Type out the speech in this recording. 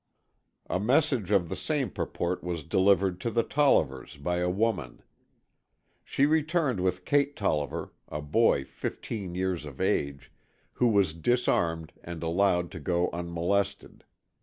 A message of the same purport was delivered to the Tollivers by a woman. She returned with Cate Tolliver, a boy fifteen years of age, who was disarmed and allowed to go unmolested.